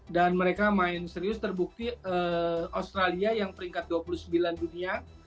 mereka main serius terbukti australia yang peringkat dua puluh sembilan dunia